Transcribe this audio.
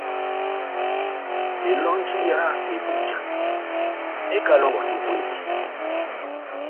Elɔnji yá Ebunja ekalɔngɔndi ó kwedi.